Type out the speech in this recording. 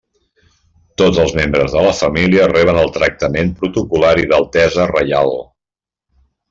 Tots els membres de la família reben el tractament protocol·lari d'Altesa Reial.